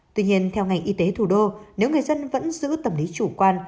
tuy nhiên theo ngành y tế thủ đô nếu người dân vẫn giữ tâm lý chủ quan